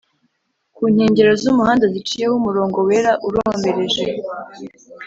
kunkengero z’umuhanda ziciyeho umurongo wera urombereje